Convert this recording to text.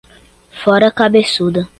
Fora cabeçuda